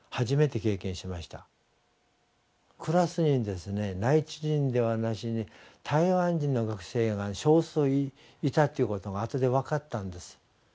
クラスにですね内地人ではなしに台湾人の学生が少数いたっていうことがあとで分かったんです。